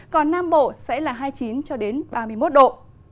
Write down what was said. còn nam bộ sẽ là hai mươi chín cho đến ba mươi một độ